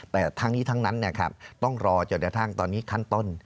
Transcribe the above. แต่ทั้งนี้ทั้งนั้นต้องรอจนกระทั่งตอนนี้ขั้นต้น